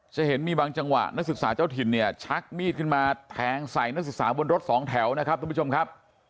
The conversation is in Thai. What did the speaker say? จะเห็นมีบางจังหวะนักศึกษาเจ้าถิ่นเนี่ยชักมีดขึ้นมาแทงใส่นักศึกษาบนรถสองแถวนะครับทุกผู้ชมครับ